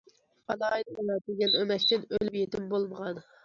ئالاھىدە ئەۋەتىلگەن ئۆمەكتىن ئۆلۈم- يېتىم بولمىغان.